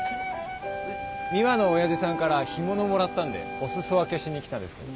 美和の親父さんから干物もらったんでお裾分けしに来たんですけど。